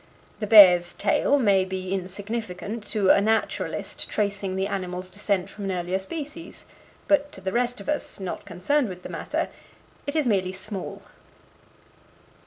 The bear's tail may be insignificant to a naturalist tracing the animal's descent from an earlier species, but to the rest of us, not concerned with the matter, it is merely small.